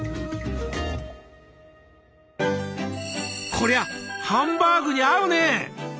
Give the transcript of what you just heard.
こりゃハンバーグに合うね！